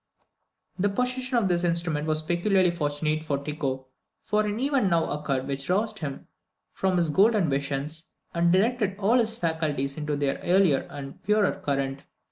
The possession of this instrument was peculiarly fortunate for Tycho, for an event now occurred which roused him from his golden visions, and directed all his faculties into their earlier and purer current.